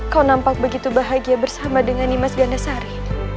kau nampak begitu bahagia bersama dengan ini mas ganasari